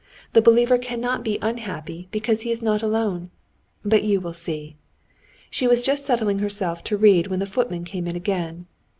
The believer cannot be unhappy because he is not alone. But you will see." She was just settling herself to read when the footman came in again.